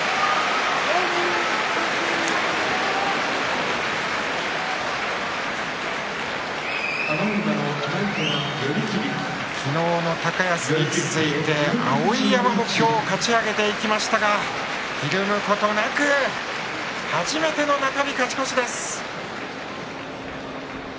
拍手昨日の高安に続いて碧山もかち上げていきましたがひるむことなく初めての中日勝ち越しです。